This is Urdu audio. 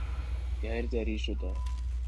غیر تحریر شدہ